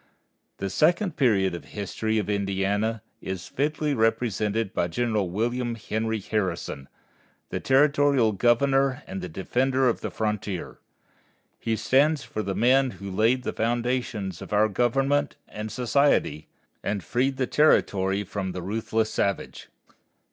The second period of the history of Indiana is fitly represented by General William Henry Harrison, the territorial Governor and the defender of the frontier. He stands for the men who laid the foundations of our government and society, and freed the territory from the ruthless savage.